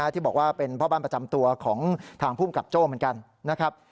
ที่บอกว่าเป็นพ่อบ้านประจำตัวของทางภูมิกับโจ้เหมือนกันนะครับ